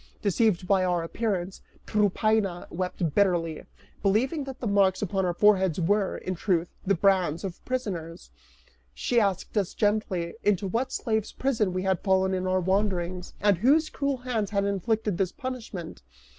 Deceived by our appearance, Tryphaena wept bitterly, believing that the marks upon our foreheads were, in truth, the brands of prisoners: she asked us gently, into what slave's prison we had fallen in our wanderings, and whose cruel hands had inflicted this punishment.